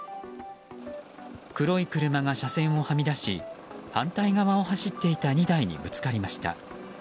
黒い車が車線をはみ出し反対側を走っていた２台にぶつかりました。